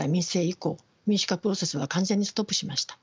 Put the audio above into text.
民主化プロセスは完全にストップしました。